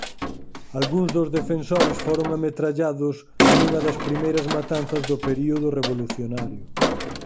Algúns dos defensores foron ametrallados nunha das primeiras matanzas do período revolucionario.